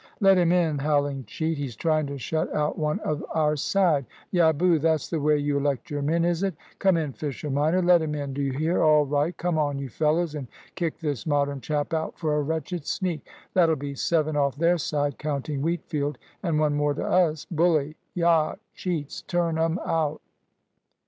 "Let him in! howling cheat! he's trying to shut out one of our side! Ya boo! That's the way you elect your men, is it! Come in, Fisher minor. Let him in, do you hear? All right; come on, you fellows, and kick this Modern chap out for a wretched sneak (that'll be seven off their side, counting Wheatfield; and one more to us bully!) Yah, cheats! turn 'em out!"